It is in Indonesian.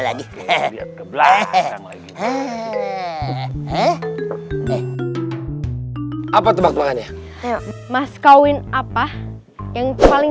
apa tebak tebakannya mas kawin apa yang paling